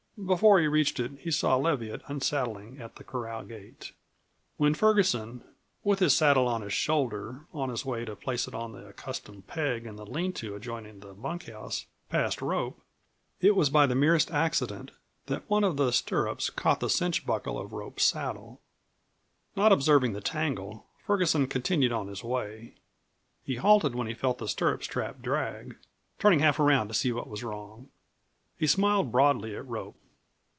Before he reached it he saw Leviatt unsaddling at the corral gate. When Ferguson, with his saddle on his shoulder, on his way to place it on its accustomed peg in the lean to adjoining the bunkhouse, passed Rope, it was by the merest accident that one of the stirrups caught the cinch buckle of Rope's saddle. Not observing the tangle, Ferguson continued on his way. He halted when he felt the stirrup strap drag, turning half around to see what was wrong. He smiled broadly at Rope.